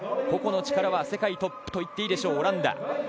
個々の力は世界トップと言っていいでしょう、オランダ。